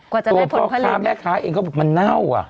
กว่าจะได้ผลผลิตพ่อค้าแม่ค้าเองเขาบอกมันเน่าอ่ะ